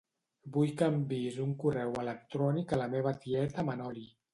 Vull que enviïs un correu electrònic a la meva tieta Manoli.